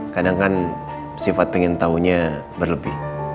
kadang kan sifat pengen taunya berlebih